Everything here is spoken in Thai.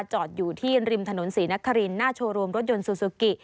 จอดอยู่ที่ริมถนนศรีนครินหน้าโชว์รูมรถยนต์ซูซูกิ